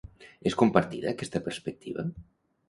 És compartida aquesta perspectiva?